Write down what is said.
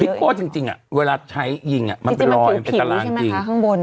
พิโก้จริงอ่ะเวลาใช้ยิงอ่ะมันไปลอยไปตารางยิงดีที่มันขี้หิวใช่ไหมคะข้างบน